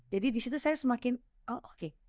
jadi di situ saya semakin oh oke